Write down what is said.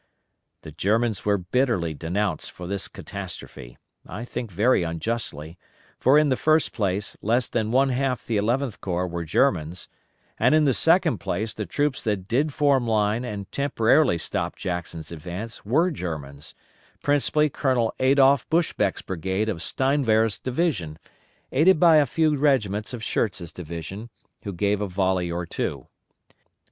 The Germans were bitterly denounced for this catastrophe, I think very unjustly, for in the first place less than one half the Eleventh Corps were Germans, and in the second place the troops that did form line and temporarily stop Jackson's advance were Germans; principally Colonel Adolph Buschbeck's brigade of Steinwehr's division, aided by a few regiments of Schurz's division, who gave a volley or two.